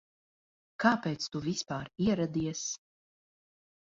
Kāpēc tu vispār ieradies?